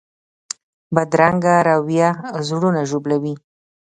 بدرنګه رویه زړونه ژوبلوي